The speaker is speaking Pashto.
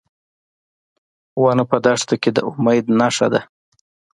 ونه په دښته کې د امید نښه ده.